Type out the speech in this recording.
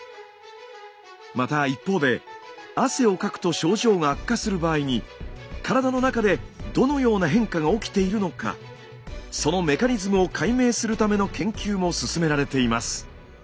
また一方で汗をかくと症状が悪化する場合に体の中でどのような変化が起きているのかそのメカニズムを解明するための研究も進められています。